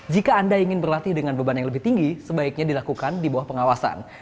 jika anda ingin berlatih dengan beban yang lebih tinggi sebaiknya dilakukan di bawah pengawasan